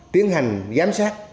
tiến hành giám sát